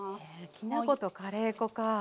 きな粉とカレー粉かあ。